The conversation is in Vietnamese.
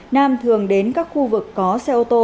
nam thường đến các khu vực có xe ô tô